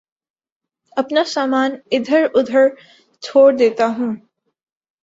اپنا سامان ادھر ادھر چھوڑ دیتا ہوں